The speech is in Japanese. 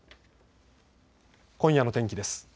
今夜の天気です。